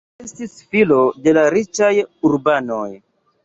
Li estis filo de la riĉaj urbanoj.